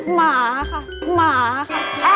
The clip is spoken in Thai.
หมาค่ะหมาค่ะ